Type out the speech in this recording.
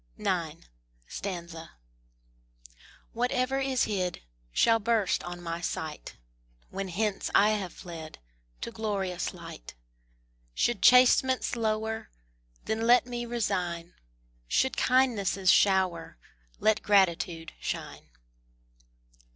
IX. Whatever is hid Shall burst on my sight When hence I have fled To glorious light. Should chastisements lower, Then let me resign; Should kindnesses shower, Let gratitude shine. X.